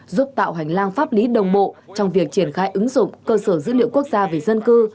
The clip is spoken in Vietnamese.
giúp tạo hành lang pháp lý đồng bộ trong việc triển khai ứng dụng cơ sở dữ liệu quốc gia về dân cư